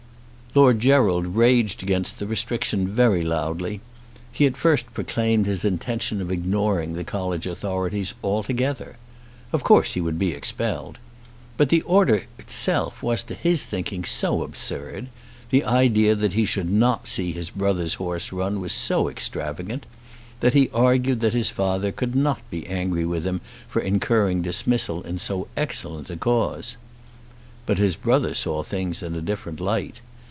Lord Gerald raged against the restriction very loudly. He at first proclaimed his intention of ignoring the college authorities altogether. Of course he would be expelled. But the order itself was to his thinking so absurd, the idea that he should not see his brother's horse run was so extravagant, that he argued that his father could not be angry with him for incurring dismissal in so excellent a cause. But his brother saw things in a different light.